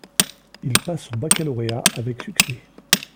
Il passe son baccalauréat avec succès.